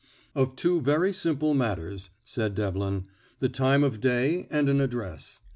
"Of two very simple matters," said Devlin; "the time of day and an address.